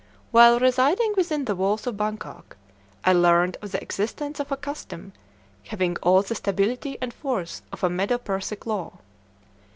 While residing within the walls of Bangkok, I learned of the existence of a custom having all the stability and force of a Medo Persic law.